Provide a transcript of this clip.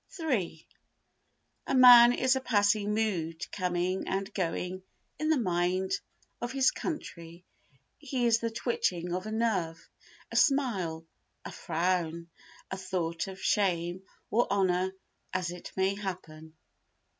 iii A man is a passing mood coming and going in the mind of his country; he is the twitching of a nerve, a smile, a frown, a thought of shame or honour, as it may happen.